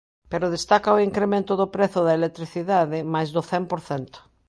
Pero destaca o incremento do prezo da electricidade, máis do cen por cento.